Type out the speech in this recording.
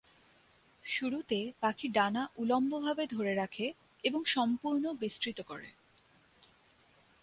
শুরুতে পাখি ডানা উল্লম্বভাবে ধরে রাখে এবং সম্পূর্ণ বিস্তৃত করে।